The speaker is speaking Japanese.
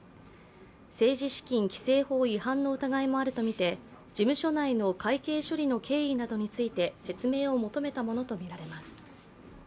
政治資金規正法違反の疑いもあるとみて事務所内の会計処理の経緯などについて説明を求めたものとみられます。